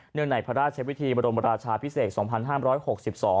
ในพระราชวิธีบรมราชาพิเศษ๒๕๖๒